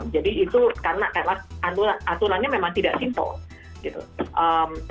jadi itu karena aturannya memang tidak simple